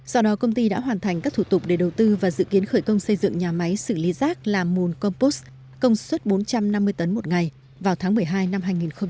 do đó công ty đã hoàn thành các thủ tục để đầu tư và dự kiến khởi công xây dựng nhà máy xử lý rác làm mùn compost công suất bốn trăm năm mươi tấn một ngày vào tháng một mươi hai năm hai nghìn hai mươi